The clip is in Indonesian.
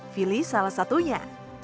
vili salah satunya